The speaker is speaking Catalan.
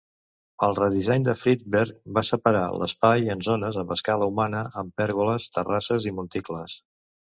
El redisseny de Friedberg va separar l'espai en zones amb escala humana amb pèrgoles, terrasses i monticles.